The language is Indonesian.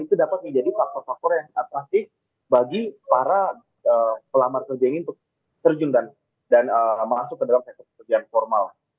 itu dapat menjadi faktor faktor yang atraksi bagi para pelamar kerja ini untuk terjun dan masuk ke dalam sektor pekerjaan formal